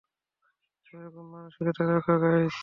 সেরকম মানসিকতা রাখো, গাইজ।